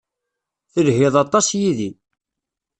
Telhiḍ aṭas yid-i.